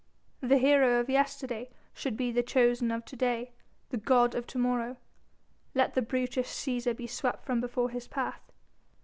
The hero of yesterday should be the chosen of to day, the god of to morrow; let the brutish Cæsar be swept from before his path.